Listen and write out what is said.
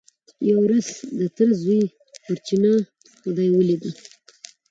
یوه ورځ د تره زوی پر چینه خدۍ ولیده.